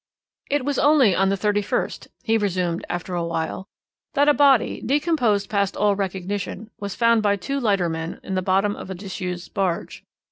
"It was only on the 31st," he resumed after a while, "that a body, decomposed past all recognition, was found by two lightermen in the bottom of a disused barge.